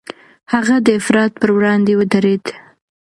هغه د افراط پر وړاندې ودرېد.